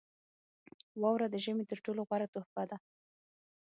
• واوره د ژمي تر ټولو غوره تحفه ده.